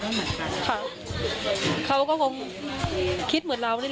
หลังจากผู้ชมไปฟังเสียงแม่น้องชมไป